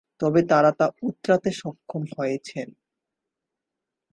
তবে তাঁরা তা উতরাতে সক্ষম হয়েছেন।